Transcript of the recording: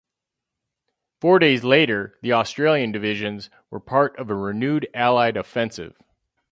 Four days later the Australian divisions were part of a renewed Allied offensive.